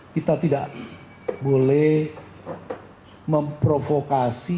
kita tidak boleh memprovokasi